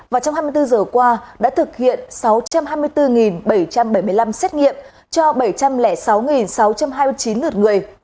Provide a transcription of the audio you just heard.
và trong hai mươi bốn giờ qua đã thực hiện sáu trăm hai mươi bốn bảy trăm bảy mươi năm xét nghiệm cho bảy trăm linh sáu sáu trăm hai mươi chín lượt người